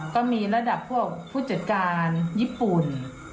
ก็มีระดับพวกผู้จัดการญี่ปุ่น